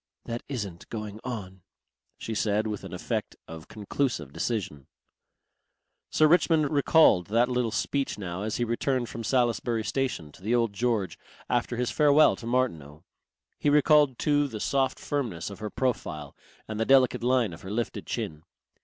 "That isn't going on," she said with an effect of conclusive decision. Sir Richmond recalled that little speech now as he returned from Salisbury station to the Old George after his farewell to Martineau. He recalled too the soft firmness of her profile and the delicate line of her lifted chin.